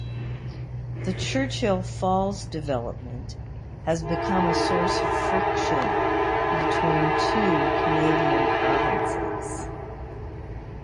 The Churchill Falls development has become a source of friction between two Canadian provinces.